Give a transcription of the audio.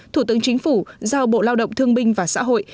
thủ tướng chính phủ giao bộ lao động thương binh và xã hội